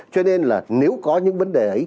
cho nên là nếu có những vấn đề ấy